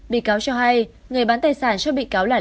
bị cáo cho hay người bán tài sản cho bị cáo là